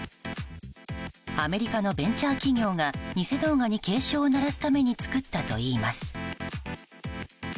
アメリカのベンチャー企業が偽動画に警鐘を鳴らすために作ったといいます。